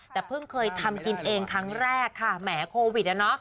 แต่เพิ่งเคยทำกินเองครั้งแรกค่ะแหมโควิดอ่ะเนอะ